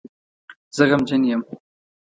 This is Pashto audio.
زه غمجن یم